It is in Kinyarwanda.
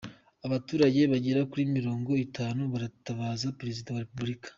Abaturage bagera kuri mirongo itanu baratabaza Perezida wa Repubulika